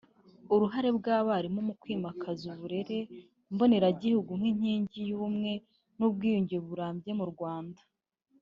uruhare rw’abarimu mu kwimakaza uburere mboneragihugu nk’inkingi y’ubumwe n’ubwiyunge burambye mu Rwanda